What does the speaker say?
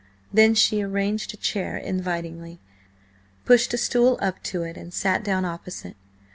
Then she arranged a chair invitingly, pushed a stool up to it and sat down opposite.